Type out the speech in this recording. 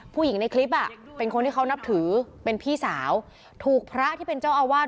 ผู้หญิงในคลิปอ่ะเป็นคนที่เขานับถือเป็นพี่สาวถูกพระที่เป็นเจ้าอาวาส